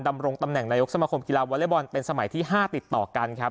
ดำรงตำแหน่งนายกสมคมกีฬาวอเล็กบอลเป็นสมัยที่๕ติดต่อกันครับ